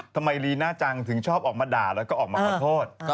ลีน่าจังถึงชอบออกมาด่าแล้วก็ออกมาขอโทษ